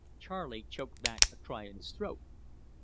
'" Charley choked back a cry in his throat.